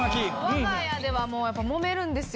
我が家ではもうやっぱもめるんですよ。